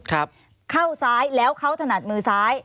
เข้าซ้ายแล้วเขาถนัดมือซ้าย